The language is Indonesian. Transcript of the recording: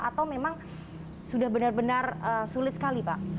atau memang sudah benar benar sulit sekali pak